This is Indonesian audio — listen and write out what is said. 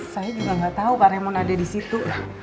saya juga gak tau pak remon ada disitu